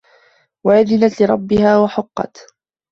وَأَذِنَت لِرَبِّها وَحُقَّت